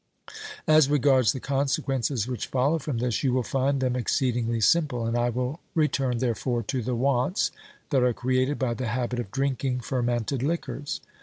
As regards the consequences which follow from this, you will find them exceedingly simple, and I will return, therefore, to the wants that are created by the habit of drinking fermented liquors.